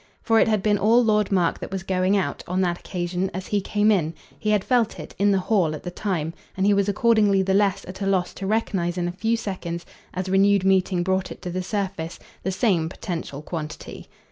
For it had been all Lord Mark that was going out, on that occasion, as he came in he had felt it, in the hall, at the time; and he was accordingly the less at a loss to recognise in a few seconds, as renewed meeting brought it to the surface, the same potential quantity.